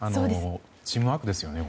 チームワークですよね。